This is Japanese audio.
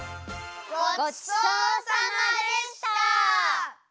ごちそうさまでした！